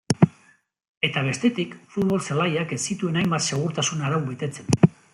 Eta bestetik, futbol-zelaiak ez zituen hainbat segurtasun arau betetzen.